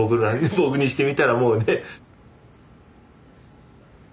僕にしてみたらもうね。